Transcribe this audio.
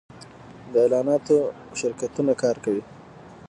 د اعلاناتو شرکتونه کار کوي